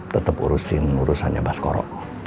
tetep urusin urusannya baskoro